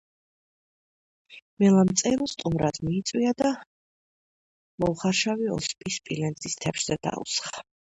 მელამ წერო სტუმრად მიიწვია და მოხარშავი ოსპი სპილენძის თეფშზე დაუსხა.